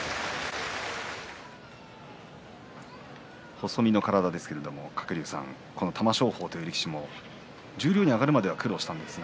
細身の体ですけれども鶴竜さん、玉正鳳という力士も十両に上がるまでは苦労しました。